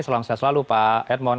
salam sehat selalu pak edmond